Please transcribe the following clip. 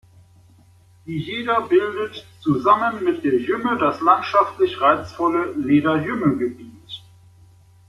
Die Leda bildet zusammen mit der Jümme das landschaftlich reizvolle Leda-Jümme-Gebiet.